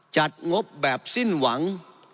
งบแบบสิ้นหวัง